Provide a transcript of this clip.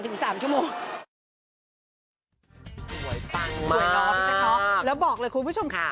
สวยปั้งมากจริงค่ะแล้วบอกเลยคุณผู้ชมค่ะ